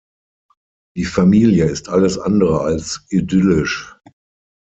Die Familie ist alles andere als idyllisch.